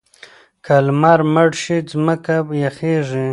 که لمر مړ شي ځمکه یخیږي.